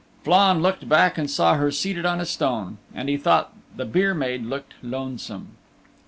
Flann looked back and saw her seated on a stone, and he thought the Byre Maid looked lonesome.